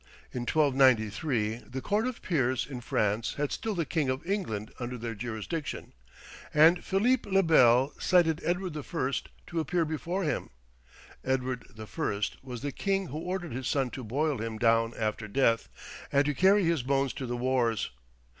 In 1293, the Court of Peers in France had still the King of England under their jurisdiction; and Philippe le Bel cited Edward I. to appear before him. Edward I. was the king who ordered his son to boil him down after death, and to carry his bones to the wars.